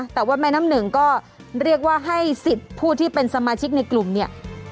แต่ว่าแม่น้ำหนึ่งก็เรียกว่าให้สิทธิ์ผู้ที่เป็นสมาชิกในกลุ่มเนี่ย